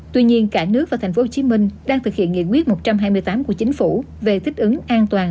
tuy nhiên cả nước và tp hcm đang thực hiện nghị quyết một trăm hai mươi tám của chính phủ về thích ứng an toàn